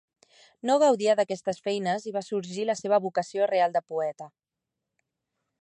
No gaudia d'aquestes feines i va sorgir la seva vocació real de poeta.